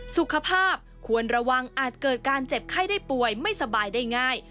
สุขภาพควรระวังอาจเกิดการเจ็บไข้ได้ป่วยไม่สบายได้ง่าย